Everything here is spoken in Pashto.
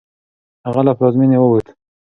هغه له پلازمېنې ووت.